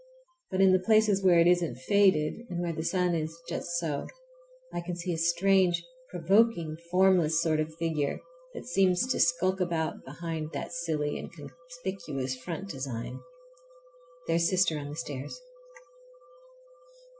But in the places where it isn't faded, and where the sun is just so, I can see a strange, provoking, formless sort of figure, that seems to sulk about behind that silly and conspicuous front design. There's sister on the stairs!